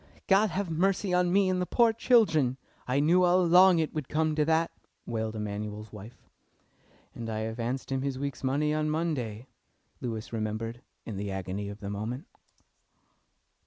"God have mercy on me and the poor children! I knew all along it would come to that!" wailed Emanuel's wife. "And I advanced him his week's money on Monday," Lewis remembered in the agony of the moment.